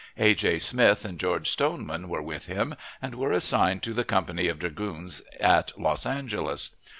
A. J. Smith and George Stoneman were with him, and were assigned to the company of dragoons at Los Angeles.